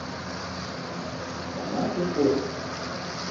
Гъэмахуэр къохьэ.